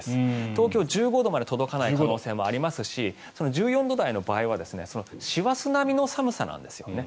東京、１５度まで届かない可能性もありますし１４度台の場合は師走並みの寒さなんですよね。